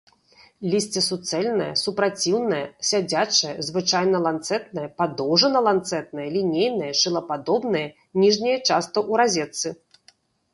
Лісце суцэльнае, супраціўнае, сядзячае, звычайна ланцэтнае, падоўжана-ланцэтнае, лінейнае, шылападобнае, ніжняе часта ў разетцы.